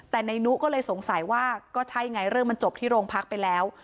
แต่นายนุก็เลยสงสัยว่าก็ใช่ไงเรื่องมันจบที่โรงพักไปแล้ว